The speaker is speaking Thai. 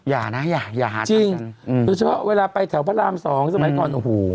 อย่านะอย่าอย่าหาทำกันจริงพี่ว่าเวลาไปแถวพระราม๒สมัยก่อนโอ้โห